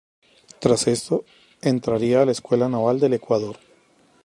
Tras esto, entraría a la Escuela Naval del Ecuador.